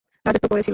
রাজত্ব করেছিল।